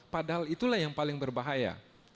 padahal itulah yang paling berbahaya